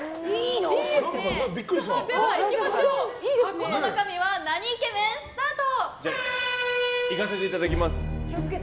箱の中身はなにイケメン？スタート。